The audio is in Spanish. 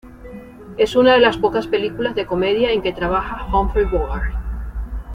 Es una de las pocas películas de comedia en que trabaja Humphrey Bogart.